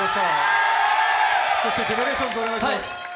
ＧＥＮＥＲＡＴＩＯＮＳお願いします。